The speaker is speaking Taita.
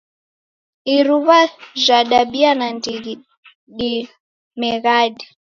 Iruw'a jhadabia nandighi dimeghadi